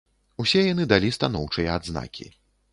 Усе яны далі станоўчыя адзнакі.